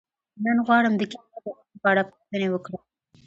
نن غواړم د کیمیا د علم په اړه پوښتنې وکړم.